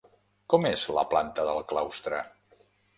Com és la planta del claustre?